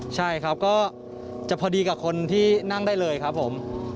ใช่ครับก็จะพอดีกับคนที่นั่งได้เลยครับผม